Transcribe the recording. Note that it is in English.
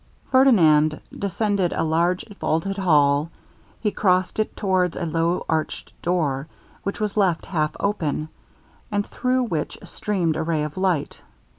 Ferdinand descended a large vaulted hall; he crossed it towards a low arched door, which was left half open, and through which streamed a ray of light.